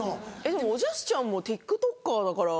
でもおじゃすちゃんもＴｉｋＴｏｋｅｒだから。